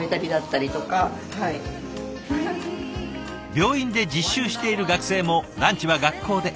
病院で実習している学生もランチは学校で。